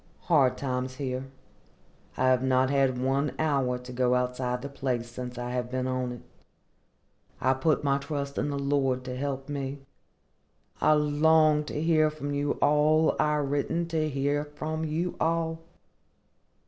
Hard times here. I have not had one hour to go outside the place since I have been on it. I put my trust in the Lord to help me. I long to hear from you all I written to hear from you all.